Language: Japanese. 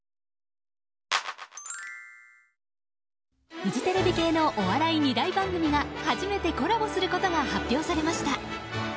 フジテレビ系のお笑い二大番組が初めてコラボすることが発表されました。